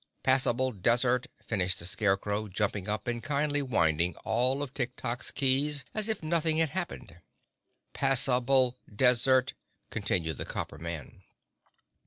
"Pass able des ert," finished the Scarecrow, jumping up and kindly winding all of Tik Tok's keys as if nothing had happened. "Pass able des ert," continued the Copper Man.